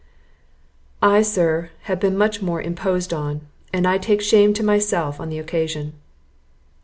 "I, sir, have been much more imposed on; and I take shame to myself on the occasion."